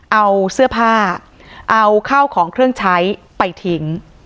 เอาเสื้อผ้าเอาข้าวของเครื่องใช้ไปทิ้ง